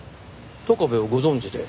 高部をご存じで？